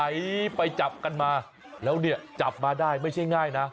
ไหลไปจับกันมาแล้วเนี่ยจับมาได้ไม่ใช่ง่ายนะ